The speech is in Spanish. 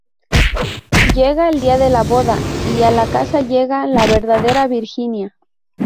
Llega el día de la boda y a la casa llega la verdadera Virginia.